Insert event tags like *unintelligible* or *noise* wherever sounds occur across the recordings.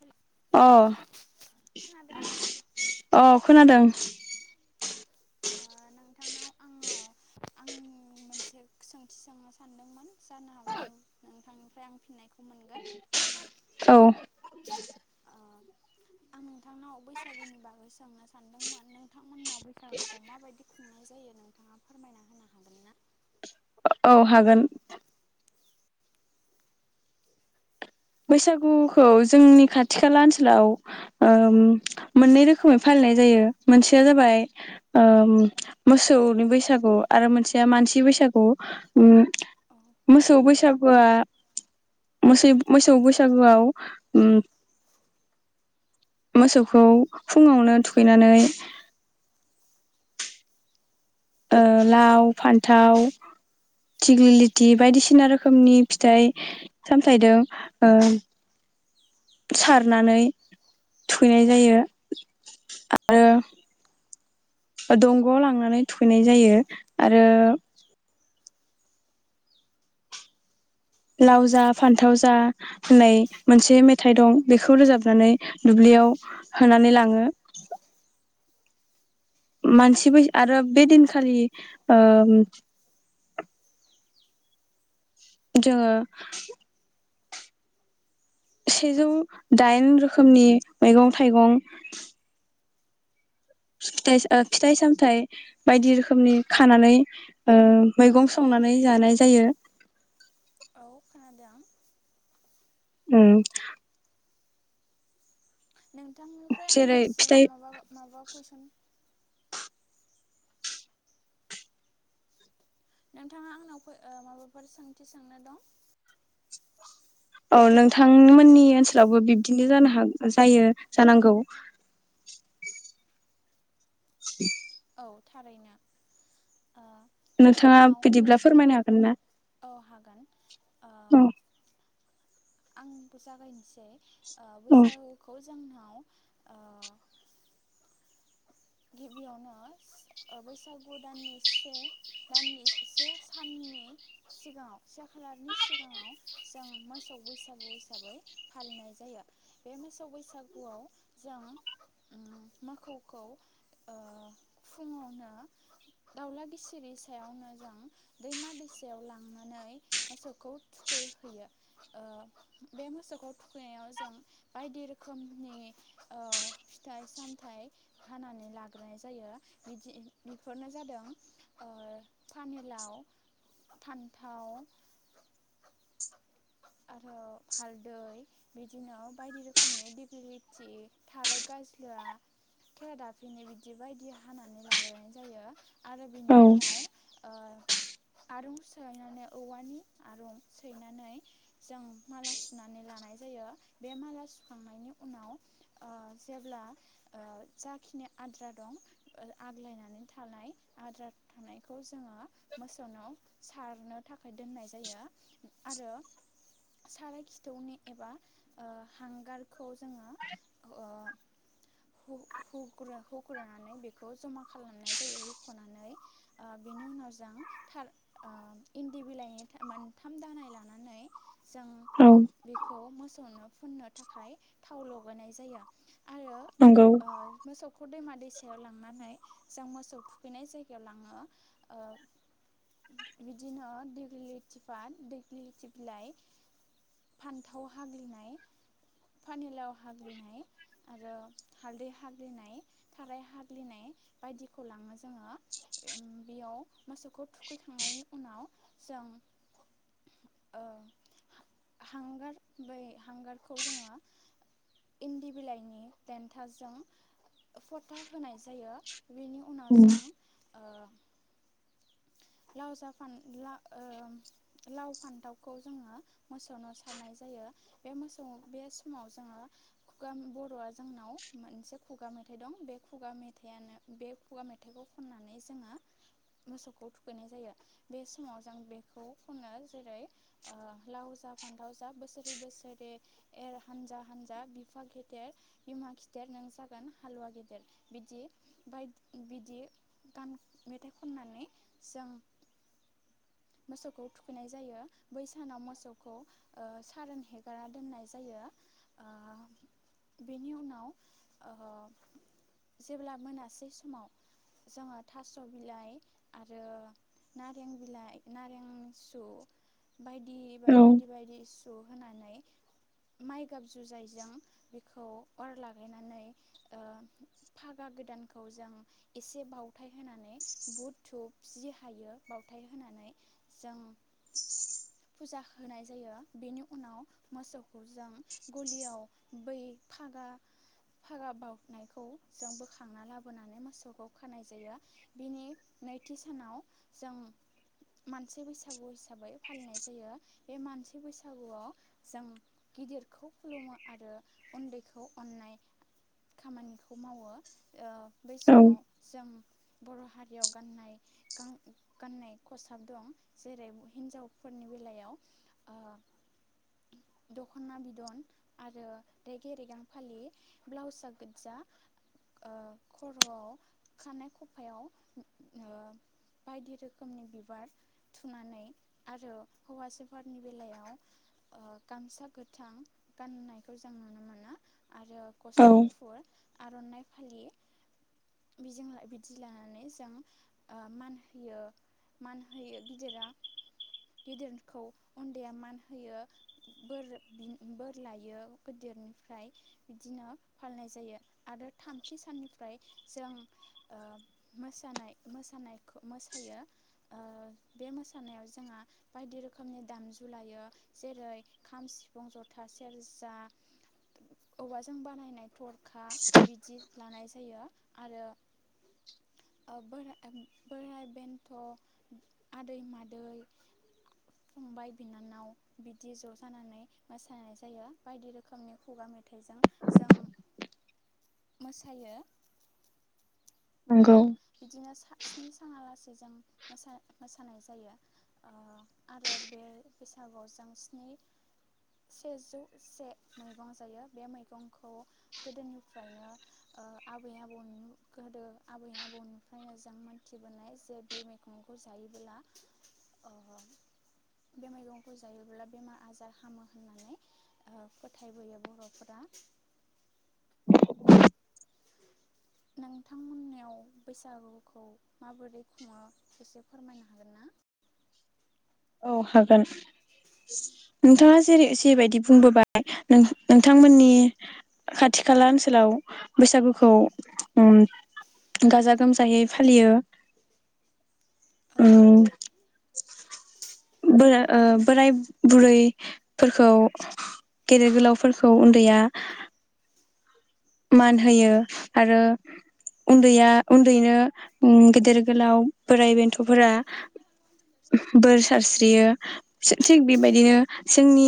हेल' अ खोनादोंना अ खोनादों नोंथांनाव आङो आं मोनसे सोंथि सोंनो सानदोंमोन जानो हागौ नोंथांनिफ्राय आं फिननायखौ मोनगोन औ ओ आं नोंथांनाव बैसागुनि बागै सोंनो सानदोंमोन नोंथांमोननाव बैसागुखौ माबायदि खुंनाय जायो नोंथाङा फोरमायना होनो हागोन ना औ हागोन बैसागुखौ जोंनि खाथि खाला ओनसोलाव मोननै रोखोमै फालिनाय जायो मोनसेया जाबाय ओ मोसौनि बैसागु आरो मोनसेया मानसि बैसागु मोसौ बैसागुआ मोसौ मोसौ बैसागुआव उम मोसौखौ फुङावनो थुखैनानै ओ लाव फान्थाव थिग्लिलिथि बायदिसिना रोखोमनि फिथाइ सामथायदों ओ सारनानै थुखैनाय जायो आरो दंग'आव लांनानै थुखैनाय जायो आरो लाव जा फान्थाव जा होननाय मोनसे मेथाइ दं बेखौ रोजाबनानै दुब्लियाव होनानै लाङो मानसिबो आरो बे दिनखालि ओ जोङो सेजौ दाइन रोखोमनि मैगं थाइगं फिथ फिथाइ सामथायाइ बायदि रोखोमनि खानानै ओ मैगं संनानै जानाय जायो औ खोनादों उम नोंथांनिफ्राय जेरै आंनिसिम फिथाइ माबा माबा कुइसन नोंथाङा आंनाव माबाफोर सोंथि सोंनो दं औ नोंथांमोननि ओनसोलावबो बिब्दिनो जानो हाग जायो जानांगौ *inaudible* औ थारैनो ओ नोंथाङा जोंनाव बिदिब्ला बैसागु फोरमायनो हागोन ना? औ हागोन औ आंबो जागायनोसै ओ औ बैसागुखौ जोंनाव ओ गिबियावनो ओ बैसागु दाननि से दाननि से साननि सिगाङाव से खालारनि सिगाङाव जों मोसौ बैसागु हिसाबै फालिनाय जायो बे मोसौ बैसागुआव ओम जों मोसौखौ ओ फुङावनो दाउला गिसिरि सायावनो जों दैमा दैसायाव लांनानै मोसौखौ थुखैहैयो ओ बे मोसौखौ थुखैनायाव जों बायदि रोखोमनि ओ फिथाइ सामथायाइ हानानै लाग्रोनाय जायो बिदि बेफोरनो जाबाय ओ पानिलाव फानथाव हालदै बिदिनो बायदि रोखोमनि दिगलिथि थाराय गाज्ला खेरादा बिनो बिदि बायदि हानानै लाग्रायाय जायो आरो बिनि औ उनाव ओ आरं सैनानै औवानि आरं सैनानै जों माला सुनानै लानाय जायो बे माला सुखांनायनि उनाव ओ जेब्ला जाखिनि आद्रा दं ओ आग्लायनानै थानाय आद्रा थानायखौ जोङो मोसौनाव सारनो थाखाय दोननाय जायो आरो साराय खिथौनि एबा ओ हांगारखौ जोङो ओ गुरखौ गुरानै बेखौ जमा खालामनाय जायो हख'नानै ओ बेनि उनाव जों थार इन्दि बिलाइनि मोनथाम दानाय लानानै जों औ बेखौ मोसौनो फुननो थाखाय थाव लगायनाय जायो नंगौ सखखौ दैमा दैसायाव लांना जों मोसौ थुखैनाय जायगायाव लाङो ओ बिदिनो दिग्लिलिथिपाथ दिग्लिलिथि बिलाइ फानथाव हाग्लिनाय पानिलाव हाग्लिनाय आरो हालदै हाग्लिनाय ग्लिनाय थाराय हाग्लिनाय बायदिखौ लाङो जोङो बेयाव मोसौखौ थुखैखांनायनि उनाव जों ओ हांगार बै हांगारखौ जोङो इन्दि बिलाइनि देन्थाजों फथा होनाय जायो बेनि उनाव उम जों ओ लाव जा फान ओ लाव फान्थावखौ जोङो मोसौनो सारनाय जायो बे मोसौ बे समाव जोङो खुगा बर'आ जोंनाव मोनसे खुगा मेथाइ दं बे खुगा मेथाइयानो बे खुगा मेथाइखौ खननानै जोङो मोसौखौ थुखैनाय जायो बे समाव जों बेखौ खनो जेरै ओ लाव जा फानथाव जा बोसोरै बोसोरै एर हानजा हानजा बिफा गेदेर बिमा खिदेर नों जागो गोन हालुवा गेदेर बिदि बाय बिदि गान मेथाइ खननानै जों मोसौखौ थुखैनाय जायो बै सानाव मोसौखौ ओ सारोन हेगारा दोननाय जायो ओ बेनि उनाव ओ जेब्ला मोनासै समाव जोङो थास' बिलाइ आरो नारें बिलाइ नारें सु बायदि औ बायदि बायदि सु होनानै माइगाब जुजायजों बेखौ अर लागायनानै ओ फागा गोदानखौ जों एसे बाव थाय होनानै बुध धुप जि हायो बावथाय होनानै जों फुजा होनाय जायो बेनि उनाव मोसौ खौ जों गलियाव बै फागा फागा बावनायखौ जों बोखांना लाबोनानै मोसौखौ खानाय जायो बिनि नैथि सानाव जों मानसि बैसागु हिसाबै फालिनाय जायो। बे मानसि बैसागुआव जों गिदिरखौ खुलुमो आरो उन्दैखौ अन्नाय खामानिखौ मावो ओ बै औ समाव जों बर' हारियाव गाननाय गा गाननाय खसाब दं जेरै हिन्जावफोरनि बेलायाव ओ दख'ना बिदन आरो रेगे रेगां फालि ब्लाउसआ गोजा ओ खर'आव खानाय खफायाव ओ बायदि रोख खोमनि बिबार थुनानै आरो हौवासाफोरनि बेलायाव ओ गामसा गोथां गाननायखौ जों नुनो मोनो। आरो गस्ला गुफुर आर'नाइ फालि बिजों ला बिदि लानानै जों ओ मान होयो। मान होयो गिदिरा गिदिरखौ उन्दैया मान होयो बोर बिन बोर लायो गोदिरनिफ्राय बिदिनो फालिनाय जायो आरो थामथि साननिफ्राय जों ओ मोसानाय मोसानायखो मोसायो। ओ बे मोसानायाव जोंहा बायदि रोखोमनि दामजु लायो जेरै खाम सिफुं जथा सेरजा औवाजों बानायनाय थरखा बिदि लानाय जायो। आरो ओ बोरा ओ बोराय बेन थ' आदै मादै फंबाय बिनानाव बिदि ज' जानानै मोसानाय जायो बायदि रोखोमनि खुगा मेथाइजों जों मोसायो। नंगौ। बिदिनो सा स्नि सानालासे जों मोसा मोसानाय जायो ओ आरो बे बैसागुआव जों स्नि सेजौ से मैगं जायो बे मैगंखौ गोदोनिफ्रायनो ओ आबै आबौनि गोदो आबैया आबौनिफ्रायनो जों मोनथिबोनाय जे बे मैगंखौ जायोबोला ओ बे मैगंखौ जायोबोला बेमार आजार हामो होननानै ओ फोथायबोयो बर'फोरा नोंथांमोननियाव बैसागुखौ माबोरै खुङो एसे फोरमायनो हागोनना? औ हागोन नोंथाङा जेरै जेबायदि बुंबोबाय नों नोंथांमोननि खाथि खाला ओनसोलाव बैसागुखौ उम्म गाजा गोमजायै फालियो। औ। उम बोरा ओ बोराय बुरै फोरखौ गेदेर गोलावफोरखौ उन्दैया मान होयो आरो उन्दैया उन्दैनो उम गेदेर गोलाव बोराइ बेन्थ'फोरा बोर सारस्रियो फिसो थिग बेबायदिनो जोंनि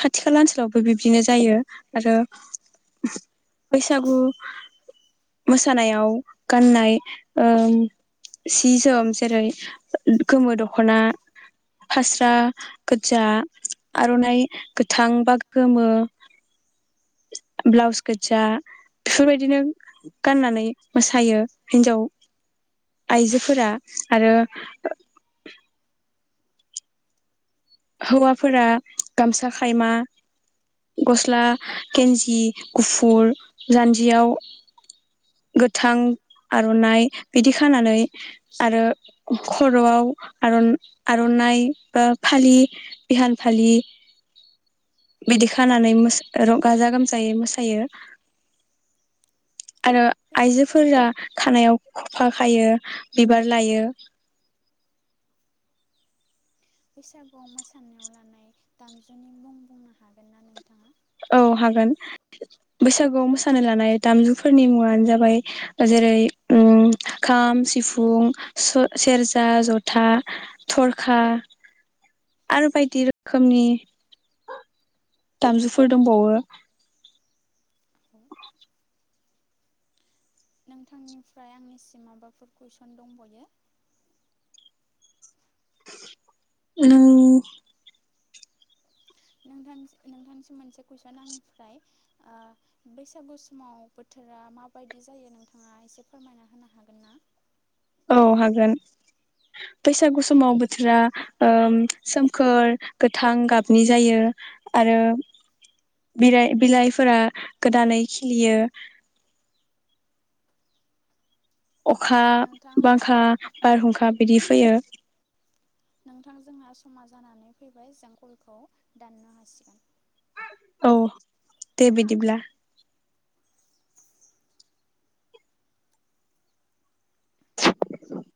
खाथि खाला ओनसोलावबो बिबदिनो जायो आरो बैसागु मोसानायाव गाननाय ओम सि जोम जेरै गोमो दख'ना फास्रा गोदजा आर'नाइ गोथां बा गोमो ब्लाउस गोदजा बेफोरबायदिनो गाननानै मोसायो हिन्जाव आइजोफोरा आरो ओ हौवाफोरा गामसा खायमा गस्ला गेन्जि गुफुर जान्जियाव गोथां आर'नाइ बिदि खानानै आरो खर'आव आरन आर'नाइ बा फालि बिहान फालि बिदि खानानै मोस र गाजा गोमजायै मोसायो। आरो आइजोफोरा खानायाव खफा खायो बिबार लायो। बैसागुआव मोसानायाव लानाय दामजुनि मुं बुंनो हागोनना नोंथाङा? औ हागोन बैसागुआव मोसानो लानाय दामजुफोरनि मुङानो जाबाय जेरै उम खाम सिफुं सो सेरजा जथा थरखा आरो बायदि रोखोमनि दामजुफोर दंबावो। नोंथांनिफ्राय आंनिसिम माबाफोर कुइसन दंबयो औ नोंथांनिस नोंथांनिसिम मोनसे कुइसन आंनिफ्राय आ बैसागु समाव बोथोरा माबायदि जायो नोंथाङा एसे फोरमायना होनो हागोनना? औ हागोन बैसागु समाव बोथोरा ओम सोमखोर गोथां गाबनि जायो आरो बिलाइ बिलाइफोरा गोदानै खिलियो अखा नोंथां बांखा बारहुंखा बिदि फैयो। नोंथां जोंहा समा जानानै फैबाय जों कलखौ दाननो हासिगोन। औ दे बिदिब्ला। *unintelligible*